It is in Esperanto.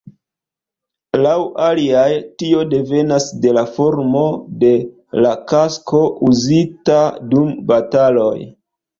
Laŭ aliaj, tio devenas de la formo de la kasko uzita dum bataloj.